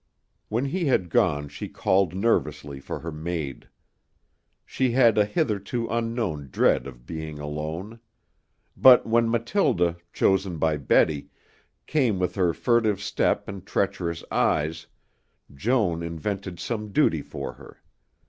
When he had gone she called nervously for her maid. She had a hitherto unknown dread of being alone. But when Mathilde, chosen by Betty, came with her furtive step and treacherous eyes, Joan invented some duty for her.